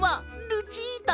ルチータ